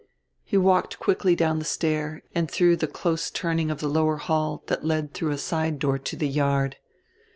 He walked quickly down the stair and through the close turning of the lower hall that led through a side door to the yard.